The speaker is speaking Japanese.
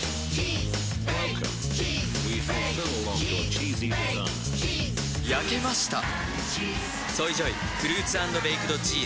チーズ！焼けました「ＳＯＹＪＯＹフルーツ＆ベイクドチーズ」